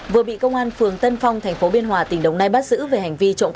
vừa bị công an phường tân phong tp biên hòa tỉnh đồng nai bắt giữ